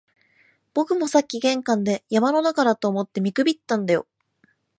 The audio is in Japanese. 僕もさっき玄関で、山の中だと思って見くびったんだよ